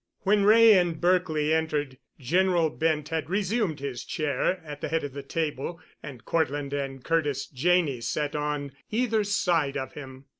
When Wray and Berkely entered, General Bent had resumed his chair at the head of the table, and Cortland and Curtis Janney sat on either side of him.